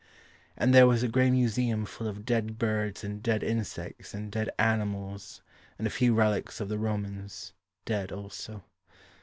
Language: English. And there was a grey museum Full of dead birds and dead insects and dead animals And a few relics of the Romans dead also.